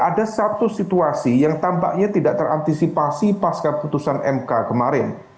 ada satu situasi yang tampaknya tidak terantisipasi pas keputusan mk kemarin